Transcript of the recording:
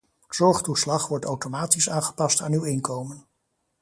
Zorgtoeslag wordt automatisch aangepast aan uw inkomen.